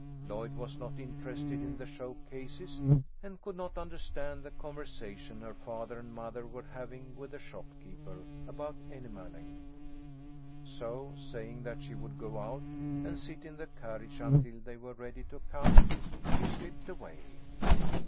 Lloyd was not interested in the show cases, and could not understand the conversation her father and mother were having with the shopkeeper about enamelling. So, saying that she would go out and sit in the carriage until they were ready to come, she slipped away.